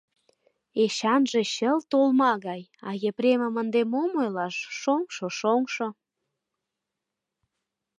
— Эчанже чылт олма гай, а Епремым ынде мом ойлаш, шоҥшо, шоҥшо!